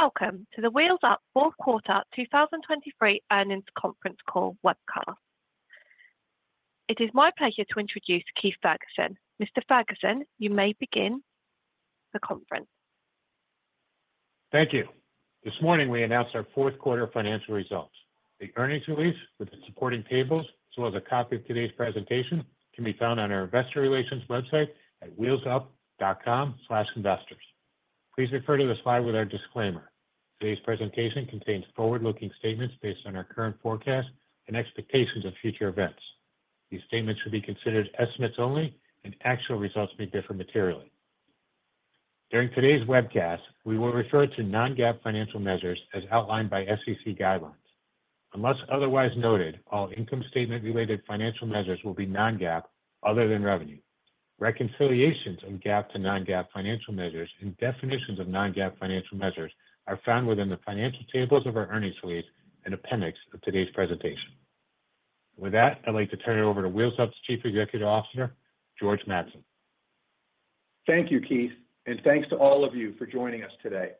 Welcome to the Wheels Up Fourth Quarter 2023 Earnings Conference Call webcast. It is my pleasure to introduce Keith Ferguson. Mr. Ferguson, you may begin the conference. Thank you. This morning, we announced our fourth quarter financial results. The earnings release with the supporting tables, as well as a copy of today's presentation, can be found on our investor relations website at wheelsup.com/investors. Please refer to the slide with our disclaimer. Today's presentation contains forward-looking statements based on our current forecast and expectations of future events. These statements should be considered estimates only, and actual results may differ materially. During today's webcast, we will refer to non-GAAP financial measures as outlined by SEC guidelines. Unless otherwise noted, all income statement-related financial measures will be non-GAAP, other than revenue. Reconciliations of GAAP to non-GAAP financial measures and definitions of non-GAAP financial measures are found within the financial tables of our earnings release and appendix of today's presentation. With that, I'd like to turn it over to Wheels Up's Chief Executive Officer, George Mattson. Thank you, Keith, and thanks to all of you for joining us today.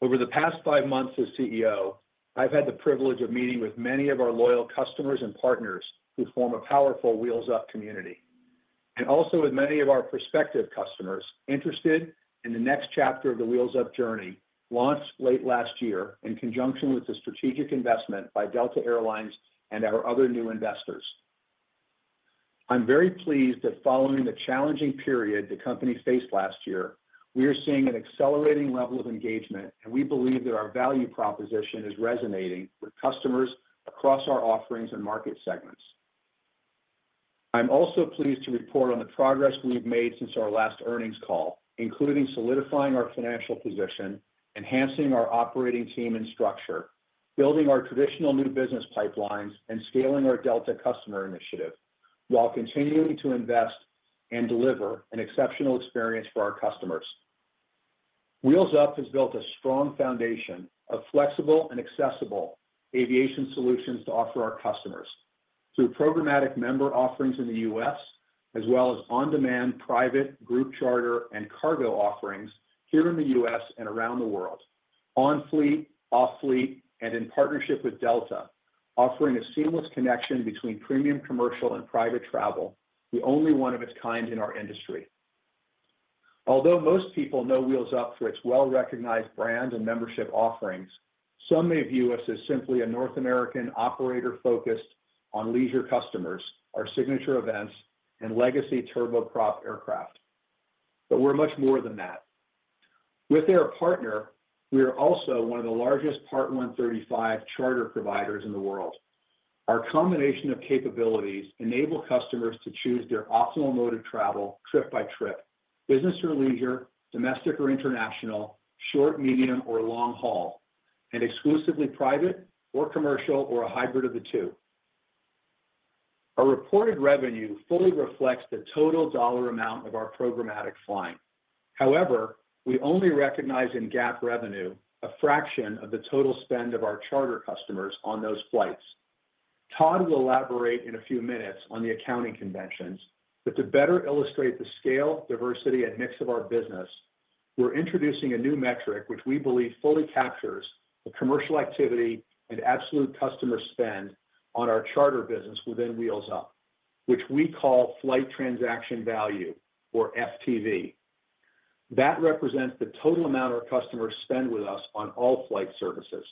Over the past five months as CEO, I've had the privilege of meeting with many of our loyal customers and partners who form a powerful Wheels Up community, and also with many of our prospective customers interested in the next chapter of the Wheels Up journey, launched late last year in conjunction with the strategic investment by Delta Air Lines and our other new investors. I'm very pleased that following the challenging period the company faced last year, we are seeing an accelerating level of engagement, and we believe that our value proposition is resonating with customers across our offerings and market segments. I'm also pleased to report on the progress we've made since our last earnings call, including solidifying our financial position, enhancing our operating team and structure, building our traditional new business pipelines, and scaling our Delta customer initiative, while continuing to invest and deliver an exceptional experience for our customers. Wheels Up has built a strong foundation of flexible and accessible aviation solutions to offer our customers through programmatic member offerings in the U.S., as well as on-demand, private, group charter, and cargo offerings here in the U.S. and around the world, on fleet, off fleet, and in partnership with Delta, offering a seamless connection between premium commercial and private travel, the only one of its kind in our industry. Although most people know Wheels Up for its well-recognized brand and membership offerings, some may view us as simply a North American operator focused on leisure customers, our signature events, and legacy turboprop aircraft. But we're much more than that. With Air Partner, we are also one of the largest Part 135 charter providers in the world. Our combination of capabilities enable customers to choose their optimal mode of travel, trip by trip, business or leisure, domestic or international, short, medium, or long haul, and exclusively private or commercial, or a hybrid of the two. Our reported revenue fully reflects the total dollar amount of our programmatic flying. However, we only recognize in GAAP revenue a fraction of the total spend of our charter customers on those flights. Todd will elaborate in a few minutes on the accounting conventions, but to better illustrate the scale, diversity, and mix of our business, we're introducing a new metric which we believe fully captures the commercial activity and absolute customer spend on our charter business within Wheels Up, which we call Flight Transaction Value, or FTV. That represents the total amount our customers spend with us on all flight services.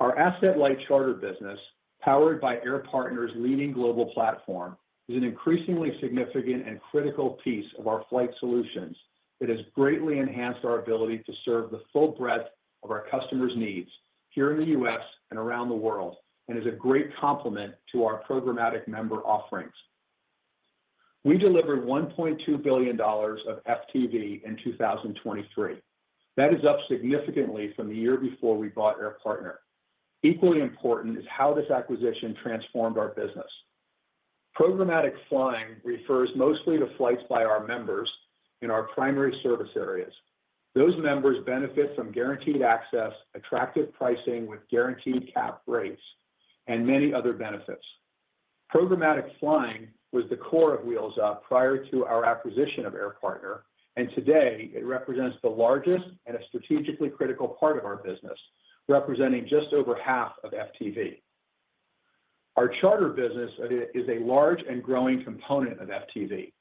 Our asset-light charter business, powered by Air Partner's leading global platform, is an increasingly significant and critical piece of our flight solutions that has greatly enhanced our ability to serve the full breadth of our customers' needs here in the U.S. and around the world, and is a great complement to our programmatic member offerings. We delivered $1.2 billion of FTV in 2023. That is up significantly from the year before we bought Air Partner. Equally important is how this acquisition transformed our business. Programmatic flying refers mostly to flights by our members in our primary service areas. Those members benefit from guaranteed access, attractive pricing with guaranteed cap rates, and many other benefits. Programmatic flying was the core of Wheels Up prior to our acquisition of Air Partner, and today it represents the largest and a strategically critical part of our business, representing just over half of FTV. Our charter business is a large and growing component of FTV.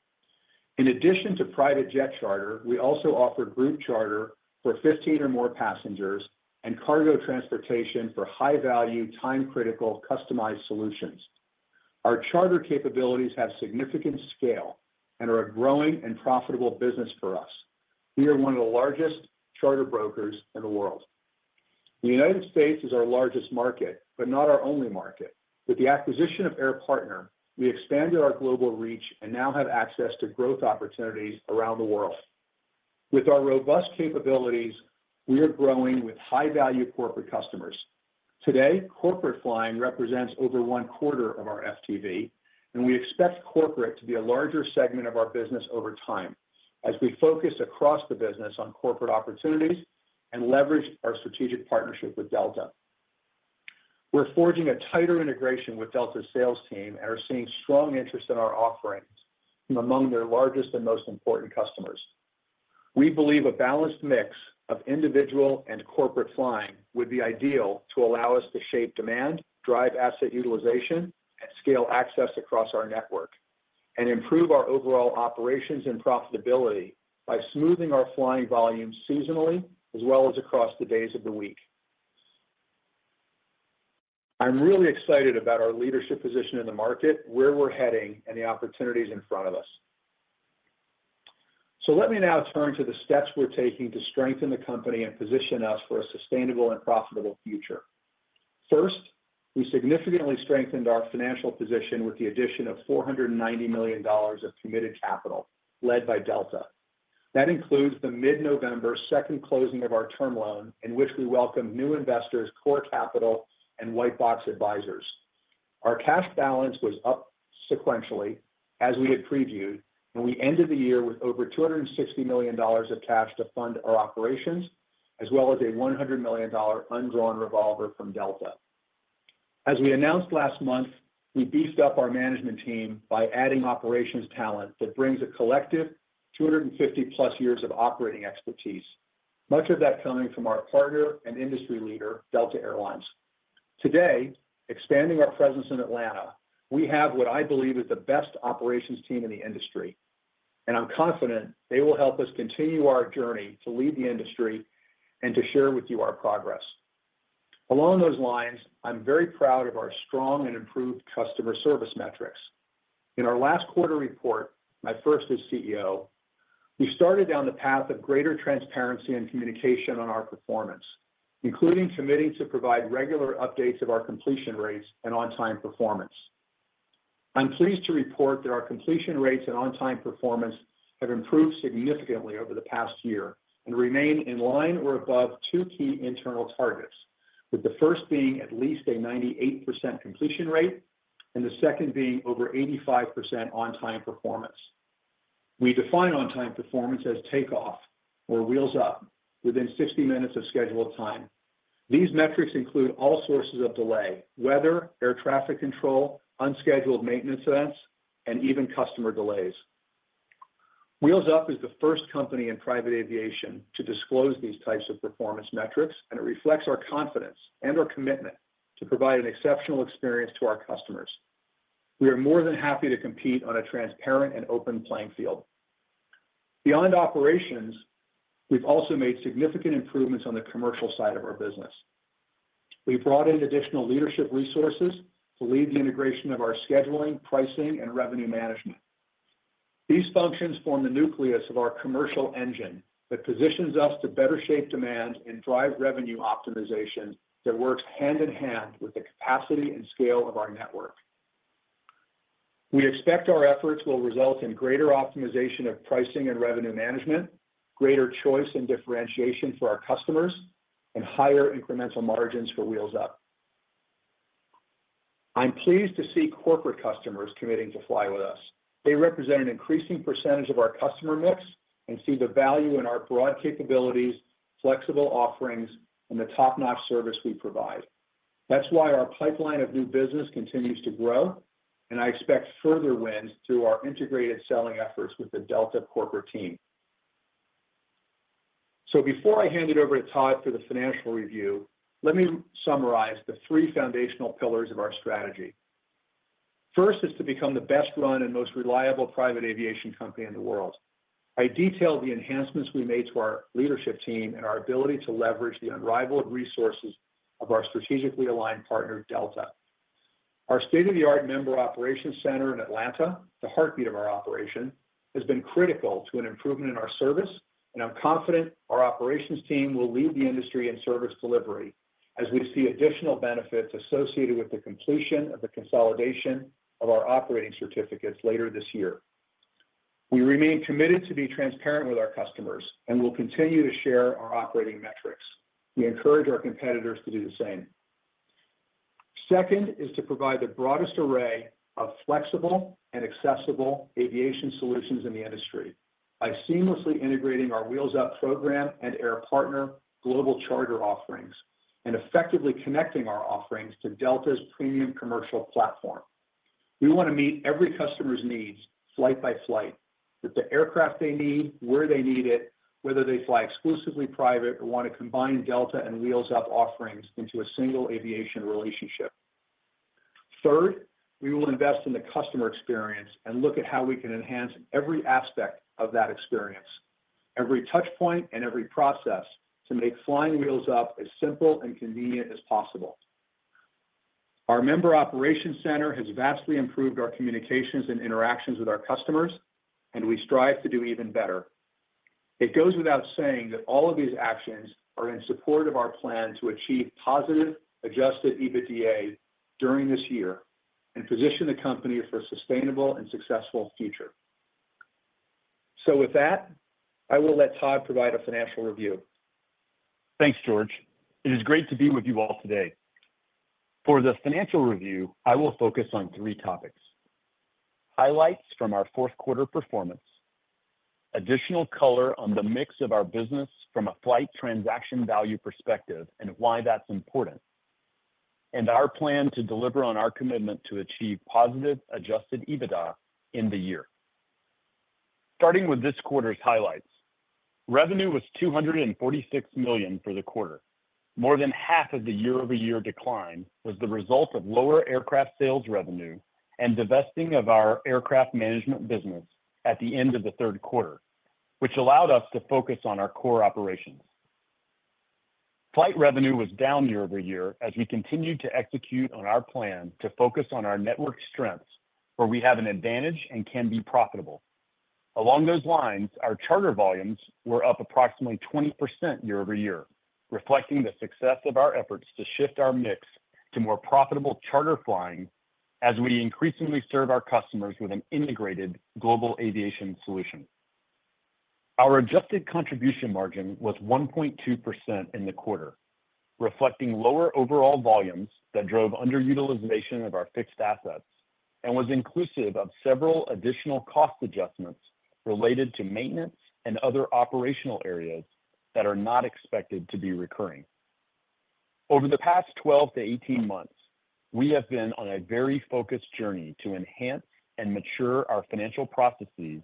In addition to private jet charter, we also offer group charter for 15 or more passengers and cargo transportation for high-value, time-critical, customized solutions. Our charter capabilities have significant scale and are a growing and profitable business for us. We are one of the largest charter brokers in the world. The United States is our largest market, but not our only market. With the acquisition of Air Partner, we expanded our global reach and now have access to growth opportunities around the world. With our robust capabilities, we are growing with high-value corporate customers. Today, corporate flying represents over one quarter of our FTV, and we expect corporate to be a larger segment of our business over time as we focus across the business on corporate opportunities and leverage our strategic partnership with Delta. We're forging a tighter integration with Delta's sales team and are seeing strong interest in our offerings from among their largest and most important customers. We believe a balanced mix of individual and corporate flying would be ideal to allow us to shape demand, drive asset utilization, and scale access across our network, and improve our overall operations and profitability by smoothing our flying volume seasonally as well as across the days of the week. I'm really excited about our leadership position in the market, where we're heading, and the opportunities in front of us. Let me now turn to the steps we're taking to strengthen the company and position us for a sustainable and profitable future. First, we significantly strengthened our financial position with the addition of $490 million of committed capital, led by Delta. That includes the mid-November second closing of our term loan, in which we welcomed new investors, Kore Capital and Whitebox Advisors. Our cash balance was up sequentially, as we had previewed, and we ended the year with over $260 million of cash to fund our operations, as well as a $100 million undrawn revolver from Delta. As we announced last month, we beefed up our management team by adding operations talent that brings a collective 250+ years of operating expertise, much of that coming from our partner and industry leader, Delta Air Lines. Today, expanding our presence in Atlanta, we have what I believe is the best operations team in the industry, and I'm confident they will help us continue our journey to lead the industry and to share with you our progress. Along those lines, I'm very proud of our strong and improved customer service metrics. In our last quarter report, my first as CEO, we started down the path of greater transparency and communication on our performance, including committing to provide regular updates of our completion rates and on-time performance. I'm pleased to report that our completion rates and on-time performance have improved significantly over the past year and remain in line or above two key internal targets, with the first being at least a 98% completion rate, and the second being over 85% on-time performance. We define on-time performance as takeoff or wheels up within 60 minutes of scheduled time. These metrics include all sources of delay: weather, air traffic control, unscheduled maintenance events, and even customer delays. Wheels Up is the first company in private aviation to disclose these types of performance metrics, and it reflects our confidence and our commitment to provide an exceptional experience to our customers. We are more than happy to compete on a transparent and open playing field. Beyond operations, we've also made significant improvements on the commercial side of our business. We brought in additional leadership resources to lead the integration of our scheduling, pricing, and revenue management. These functions form the nucleus of our commercial engine that positions us to better shape demand and drive revenue optimization that works hand in hand with the capacity and scale of our network. We expect our efforts will result in greater optimization of pricing and revenue management, greater choice and differentiation for our customers, and higher incremental margins for Wheels Up. I'm pleased to see corporate customers committing to fly with us. They represent an increasing percentage of our customer mix and see the value in our broad capabilities, flexible offerings, and the top-notch service we provide. That's why our pipeline of new business continues to grow, and I expect further wins through our integrated selling efforts with the Delta corporate team. Before I hand it over to Todd for the financial review, let me summarize the three foundational pillars of our strategy. First is to become the best-run and most reliable private aviation company in the world. I detailed the enhancements we made to our leadership team and our ability to leverage the unrivaled resources of our strategically aligned partner, Delta. Our state-of-the-art Member Operations Center in Atlanta, the heartbeat of our operation, has been critical to an improvement in our service, and I'm confident our operations team will lead the industry in service delivery as we see additional benefits associated with the completion of the consolidation of our operating certificates later this year. We remain committed to be transparent with our customers and will continue to share our operating metrics. We encourage our competitors to do the same. Second is to provide the broadest array of flexible and accessible aviation solutions in the industry by seamlessly integrating our Wheels Up program and Air Partner global charter offerings and effectively connecting our offerings to Delta's premium commercial platform. We want to meet every customer's needs, flight by flight, with the aircraft they need, where they need it, whether they fly exclusively private or want to combine Delta and Wheels Up offerings into a single aviation relationship. Third, we will invest in the customer experience and look at how we can enhance every aspect of that experience, every touch point, and every process to make flying Wheels Up as simple and convenient as possible. Our Member Operations Center has vastly improved our communications and interactions with our customers, and we strive to do even better. It goes without saying that all of these actions are in support of our plan to achieve positive Adjusted EBITDA during this year and position the company for a sustainable and successful future. So with that, I will let Todd provide a financial review. Thanks, George. It is great to be with you all today. For the financial review, I will focus on three topics: Highlights from our fourth quarter performance, additional color on the mix of our business from a Flight Transaction Value perspective and why that's important, and our plan to deliver on our commitment to achieve positive Adjusted EBITDA in the year. Starting with this quarter's highlights, revenue was $246 million for the quarter. More than half of the year-over-year decline was the result of lower aircraft sales revenue and divesting of our aircraft management business at the end of the third quarter, which allowed us to focus on our core operations. Flight revenue was down year over year as we continued to execute on our plan to focus on our network strengths, where we have an advantage and can be profitable. Along those lines, our charter volumes were up approximately 20% year-over-year, reflecting the success of our efforts to shift our mix to more profitable charter flying as we increasingly serve our customers with an integrated global aviation solution. Our Adjusted Contribution Margin was 1.2% in the quarter, reflecting lower overall volumes that drove underutilization of our fixed assets and was inclusive of several additional cost adjustments related to maintenance and other operational areas that are not expected to be recurring. Over the past 12-18 months, we have been on a very focused journey to enhance and mature our financial processes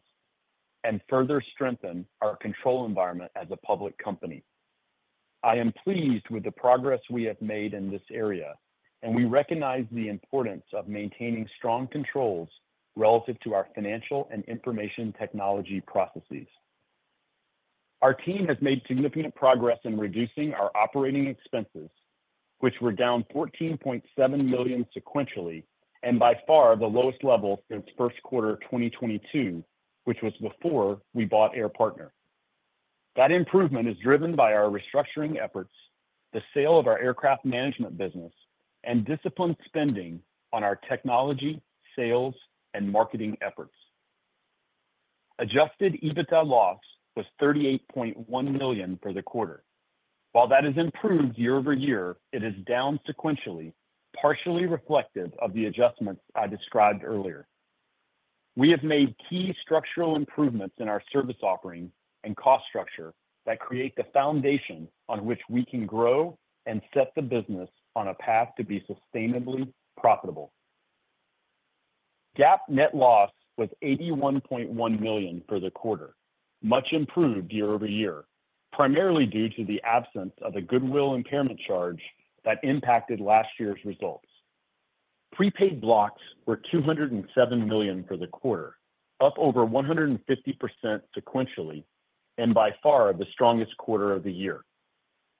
and further strengthen our control environment as a public company. I am pleased with the progress we have made in this area, and we recognize the importance of maintaining strong controls relative to our financial and information technology processes. Our team has made significant progress in reducing our operating expenses, which were down $14.7 million sequentially, and by far the lowest level since first quarter of 2022, which was before we bought Air Partner. That improvement is driven by our restructuring efforts, the sale of our aircraft management business, and disciplined spending on our technology, sales, and marketing efforts. Adjusted EBITDA loss was $38.1 million for the quarter. While that has improved year-over-year, it is down sequentially, partially reflective of the adjustments I described earlier. We have made key structural improvements in our service offerings and cost structure that create the foundation on which we can grow and set the business on a path to be sustainably profitable. GAAP net loss was $81.1 million for the quarter, much improved year-over-year, primarily due to the absence of a goodwill impairment charge that impacted last year's results. Prepaid Blocks were $207 million for the quarter, up over 150% sequentially, and by far the strongest quarter of the year.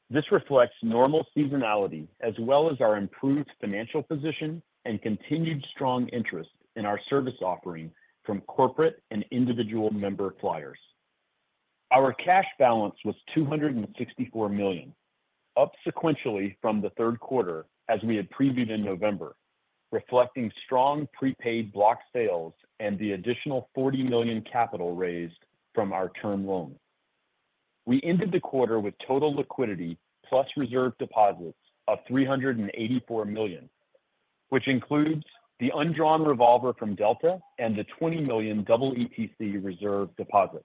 This reflects normal seasonality, as well as our improved financial position and continued strong interest in our service offerings from corporate and individual member flyers. Our cash balance was $264 million, up sequentially from the third quarter, as we had previewed in November, reflecting strong Prepaid Blocks sales and the additional $40 million capital raised from our term loan. We ended the quarter with total liquidity plus reserve deposits of $384 million, which includes the undrawn revolver from Delta and the $20 million EETC reserve deposit.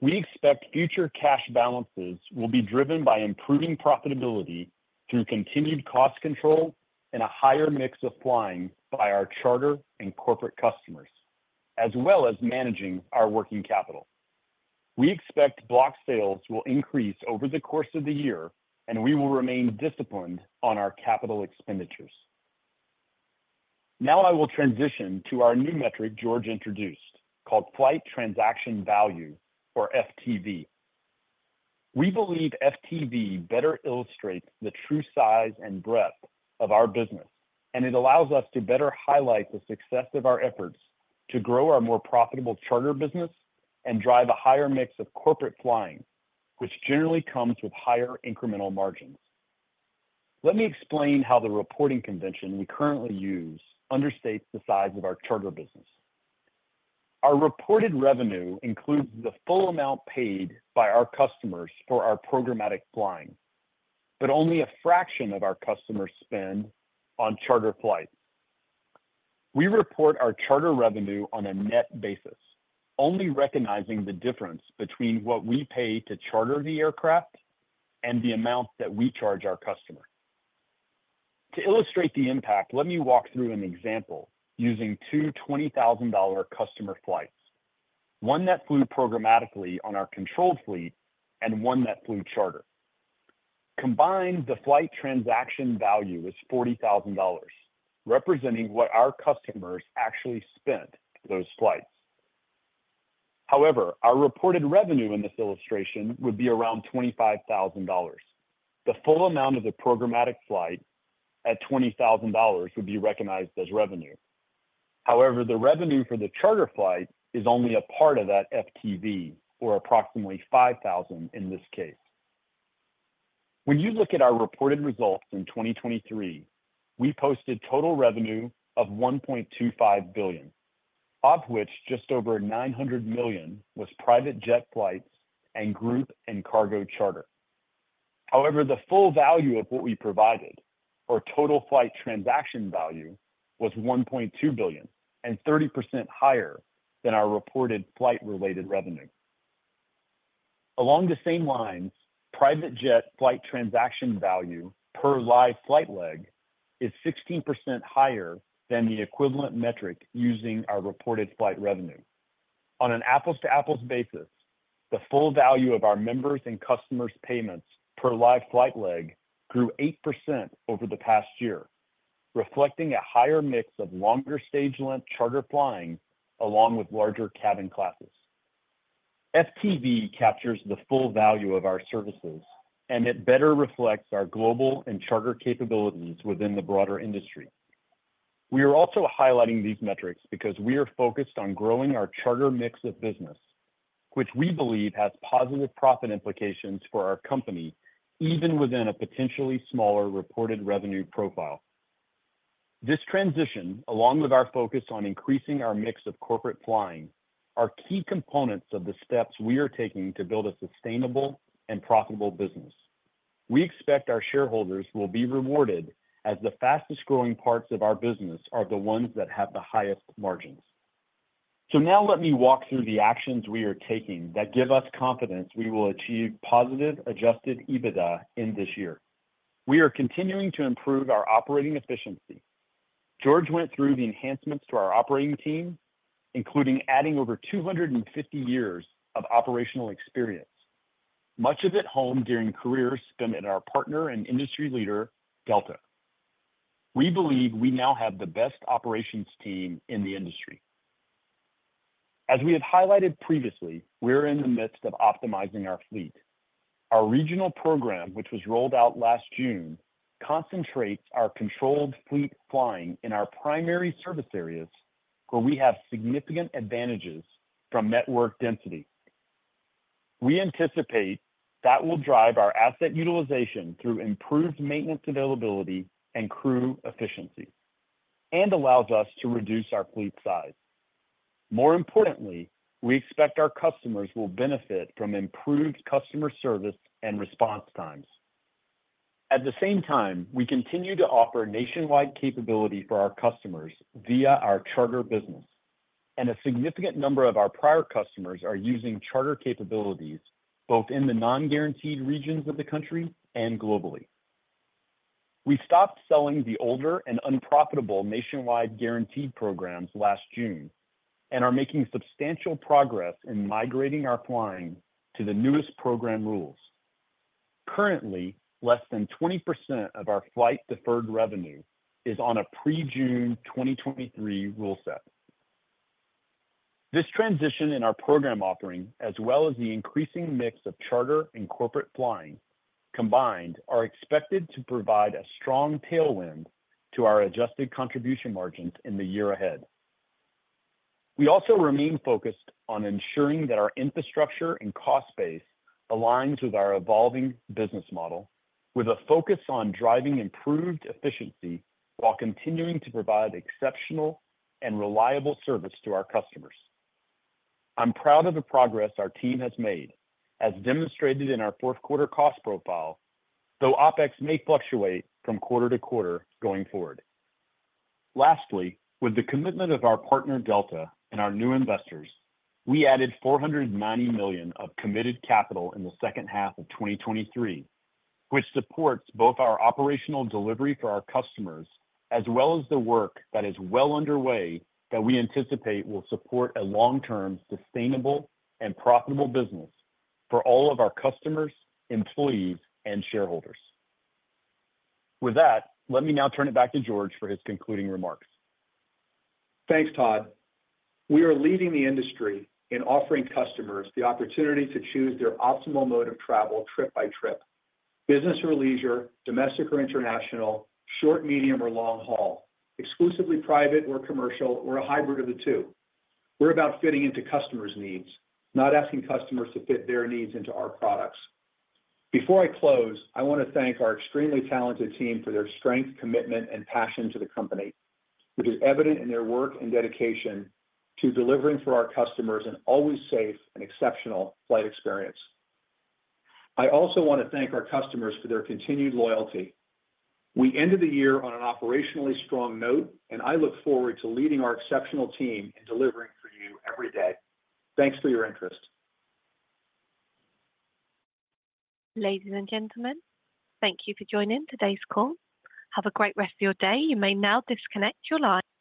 We expect future cash balances will be driven by improving profitability through continued cost control and a higher mix of flying by our charter and corporate customers, as well as managing our working capital. We expect block sales will increase over the course of the year, and we will remain disciplined on our capital expenditures. Now I will transition to our new metric George introduced, called Flight Transaction Value or FTV. We believe FTV better illustrates the true size and breadth of our business, and it allows us to better highlight the success of our efforts to grow our more profitable charter business and drive a higher mix of corporate flying, which generally comes with higher incremental margins. Let me explain how the reporting convention we currently use understates the size of our charter business. Our reported revenue includes the full amount paid by our customers for our programmatic flying, but only a fraction of our customers spend on charter flights. We report our charter revenue on a net basis, only recognizing the difference between what we pay to charter the aircraft and the amount that we charge our customer. To illustrate the impact, let me walk through an example using two $20,000 customer flights, one that flew programmatically on our controlled fleet and one that flew charter. Combined, the flight transaction value is $40,000, representing what our customers actually spent for those flights. However, our reported revenue in this illustration would be around $25,000. The full amount of the programmatic flight at $20,000 would be recognized as revenue. However, the revenue for the charter flight is only a part of that FTV, or approximately $5,000 in this case. When you look at our reported results in 2023, we posted total revenue of $1.25 billion, of which just over $900 million was private jet flights and group and cargo charter.... However, the full value of what we provided, or total flight transaction value, was $1.2 billion, and 30% higher than our reported flight-related revenue. Along the same lines, private jet flight transaction value per live flight leg is 16% higher than the equivalent metric using our reported flight revenue. On an apples-to-apples basis, the full value of our members' and customers' payments per live flight leg grew 8% over the past year, reflecting a higher mix of longer stage length charter flying, along with larger cabin classes. FTV captures the full value of our services, and it better reflects our global and charter capabilities within the broader industry. We are also highlighting these metrics because we are focused on growing our charter mix of business, which we believe has positive profit implications for our company, even within a potentially smaller reported revenue profile. This transition, along with our focus on increasing our mix of corporate flying, are key components of the steps we are taking to build a sustainable and profitable business. We expect our shareholders will be rewarded, as the fastest-growing parts of our business are the ones that have the highest margins. So now let me walk through the actions we are taking that give us confidence we will achieve positive Adjusted EBITDA in this year. We are continuing to improve our operating efficiency. George went through the enhancements to our operating team, including adding over 250 years of operational experience, much of it honed during careers spent in our partner and industry leader, Delta. We believe we now have the best operations team in the industry. As we have highlighted previously, we're in the midst of optimizing our fleet. Our regional program, which was rolled out last June, concentrates our controlled fleet flying in our primary service areas, where we have significant advantages from network density. We anticipate that will drive our asset utilization through improved maintenance availability and crew efficiency, and allows us to reduce our fleet size. More importantly, we expect our customers will benefit from improved customer service and response times. At the same time, we continue to offer nationwide capability for our customers via our charter business, and a significant number of our prior customers are using charter capabilities, both in the non-guaranteed regions of the country and globally. We stopped selling the older and unprofitable nationwide guaranteed programs last June and are making substantial progress in migrating our flying to the newest program rules. Currently, less than 20% of our flight deferred revenue is on a pre-June 2023 rule set. This transition in our program offering, as well as the increasing mix of charter and corporate flying combined, are expected to provide a strong tailwind to our adjusted contribution margins in the year ahead. We also remain focused on ensuring that our infrastructure and cost base aligns with our evolving business model, with a focus on driving improved efficiency while continuing to provide exceptional and reliable service to our customers. I'm proud of the progress our team has made, as demonstrated in our fourth quarter cost profile, though OpEx may fluctuate from quarter to quarter going forward. Lastly, with the commitment of our partner, Delta, and our new investors, we added $490 million of committed capital in the second half of 2023, which supports both our operational delivery for our customers, as well as the work that is well underway that we anticipate will support a long-term, sustainable, and profitable business for all of our customers, employees, and shareholders. With that, let me now turn it back to George for his concluding remarks. Thanks, Todd. We are leading the industry in offering customers the opportunity to choose their optimal mode of travel, trip by trip, business or leisure, domestic or international, short, medium, or long haul, exclusively private or commercial, or a hybrid of the two. We're about fitting into customers' needs, not asking customers to fit their needs into our products. Before I close, I want to thank our extremely talented team for their strength, commitment, and passion to the company, which is evident in their work and dedication to delivering for our customers an always safe and exceptional flight experience. I also want to thank our customers for their continued loyalty. We ended the year on an operationally strong note, and I look forward to leading our exceptional team in delivering for you every day. Thanks for your interest. Ladies and gentlemen, thank you for joining today's call. Have a great rest of your day. You may now disconnect your line.